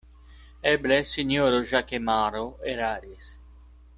Eble sinjoro Ĵakemaro eraris.